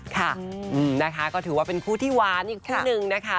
ค่ะนะคะก็ถือว่าเป็นคู่ที่หวานอีกคู่นึงนะคะ